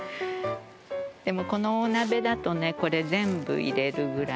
でもこの大鍋だとねこれ全部入れるぐらい。